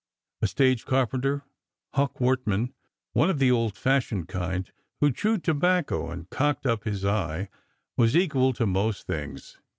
A stage carpenter, Huck Wortman, one of the old fashioned kind who chewed tobacco and cocked up his eye, was equal to most things.